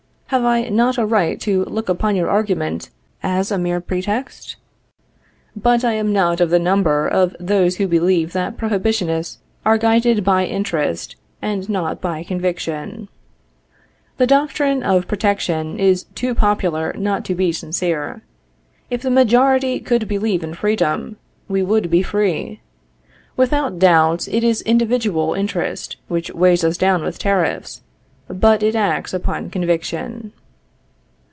Have I not a right to look upon your argument as a mere pretext? But I am not of the number of those who believe that prohibitionists are guided by interest, and not by conviction. The doctrine of Protection is too popular not to be sincere. If the majority could believe in freedom, we would be free. Without doubt it is individual interest which weighs us down with tariffs; but it acts upon conviction.